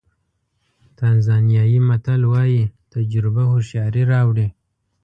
تانزانیایي متل وایي تجربه هوښیاري راوړي.